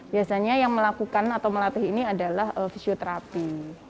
biasanya yang melakukan atau melatih ini adalah fisioterapi